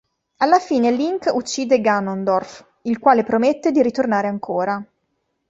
Alla fine Link uccide Ganondorf, il quale promette di ritornare ancora.